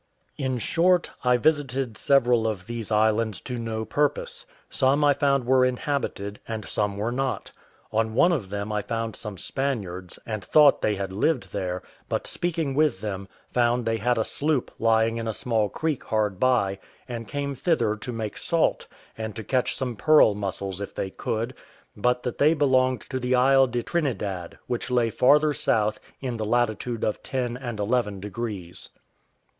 In short, I visited several of these islands to no purpose; some I found were inhabited, and some were not; on one of them I found some Spaniards, and thought they had lived there; but speaking with them, found they had a sloop lying in a small creek hard by, and came thither to make salt, and to catch some pearl mussels if they could; but that they belonged to the Isle de Trinidad, which lay farther north, in the latitude of 10 and 11 degrees.